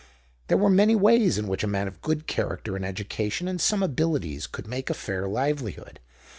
There were many ways in which a man of good character and education and some abilities could make a fair livelihood.